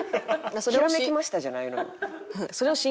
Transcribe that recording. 「ひらめきました」じゃないのよ。